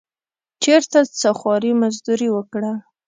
چېرته څه خواري مزدوري وکړه.